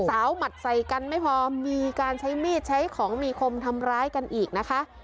หมัดใส่กันไม่พอมีการใช้มีดใช้ของมีคมทำร้ายกันอีกนะคะ